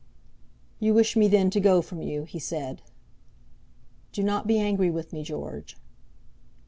"You wish me then to go from you?" he said. "Do not be angry with me, George!"